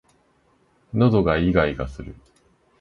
喉がいがいがする